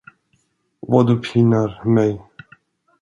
Vad du pinar mig!